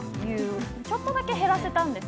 ちょっとだけ減らせました。